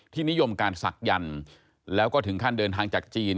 นิยมการศักยันต์แล้วก็ถึงขั้นเดินทางจากจีน